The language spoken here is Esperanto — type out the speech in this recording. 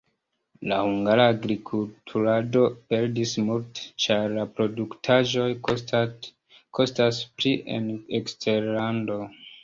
La hungara agrikulturado perdis multe, ĉar la produktaĵoj kostas pli en eksterlando.